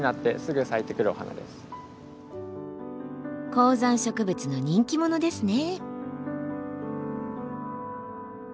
高山植物の人気者ですね。